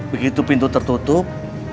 begitu pintu tertutup